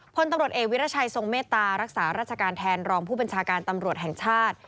พลตำรวจเอกวิรัชัยทรงเมตตารักษาราชการแทนรองผู้บัญชาการตำรวจแห่งชาติ